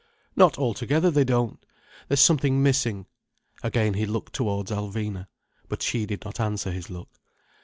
"Not altogether, they don't. There's something missing—" Again he looked towards Alvina. But she did not answer his look.